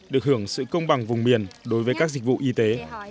được hưởng sự công bằng vùng miền đối với các dịch vụ y tế